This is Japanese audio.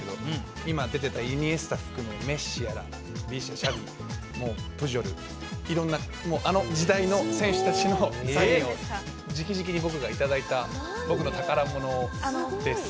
今、出てたイニエスタやメッシやらシャビプジョル、いろんなあの時代の選手たちのサインを直々に、僕がいただいた僕の宝物です。